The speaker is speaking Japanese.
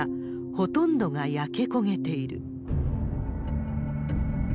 ほとんどが焼け焦げている。